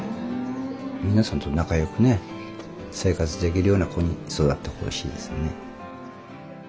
皆さんと仲良くね生活できるような子に育ってほしいですね。